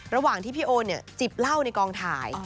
ระหว่างที่พี่โอจิบเหล้าในกองถ่าย